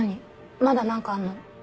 まだ何かあんの？